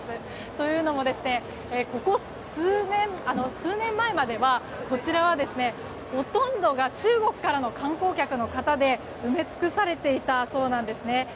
というのも、数年前まではこちらは、ほとんどが中国からの観光客の方で埋め尽くされていたんですね。